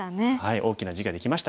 大きな地ができました。